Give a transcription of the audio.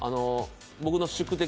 僕の宿敵